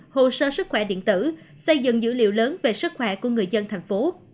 hồ sơ sức khỏe điện tử xây dựng dữ liệu lớn về sức khỏe của người dân thành phố